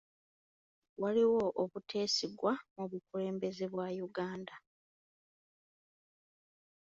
Waliwo obuteesigwa mu bukulembeze bwa Uganda.